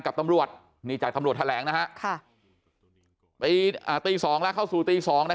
กับตำรวจนี่จากตำรวจแถลงนะฮะค่ะตีอ่าตีสองแล้วเข้าสู่ตีสองนะ